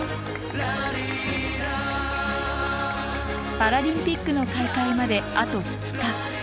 パラリンピックの開会まであと２日。